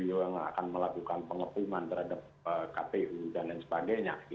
yang akan melakukan pengepungan terhadap kpu dan lain sebagainya